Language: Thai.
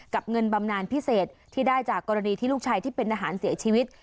เงินบำนานพิเศษที่ได้จากกรณีที่ลูกชายที่เป็นทหารเสียชีวิต